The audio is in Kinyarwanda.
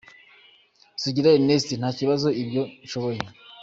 Sugira Ernest: Nta kibazo ibyo nshoboye.